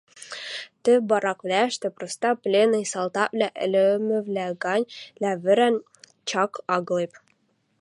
Тӹ бараквлӓштӹ проста пленный салтаквлӓ ӹлӹмӹвлӓ гань лявӹрӓн, чак агылеп.